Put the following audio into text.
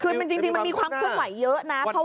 คือจริงมันมีความควบคุมไหวเยอะนะเพราะว่า